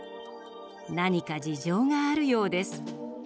何か事情があるようです。